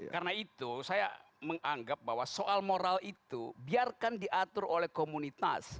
karena itu saya menganggap bahwa soal moral itu biarkan diatur oleh komunitas